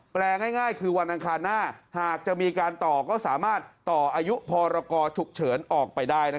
แปลง่ายคือวันอังคารหน้าหากจะมีการต่อก็สามารถต่ออายุพรกรฉุกเฉินออกไปได้